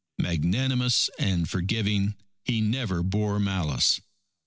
Magnanimous and forgiving, he never bore malice.